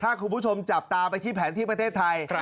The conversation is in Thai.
ถ้าคุณผู้ชมจับตาไปที่แผนที่ประเทศไทย